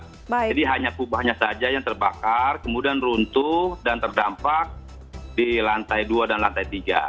jadi hanya kubahnya saja yang terbakar kemudian runtuh dan terdampak di lantai dua dan lantai tiga